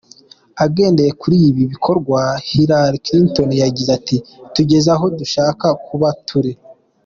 Agendeye kuri ibi bikorwa, Hillary Clinton, yagize ati "Tugeze aho dushaka kuba turi.